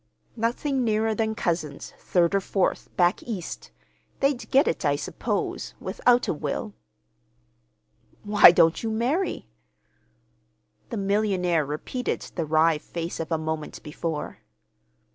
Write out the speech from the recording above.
"Nothing nearer than cousins, third or fourth, back East. They'd get it, I suppose—without a will." "Why don't you marry?" The millionaire repeated the wry face of a moment before.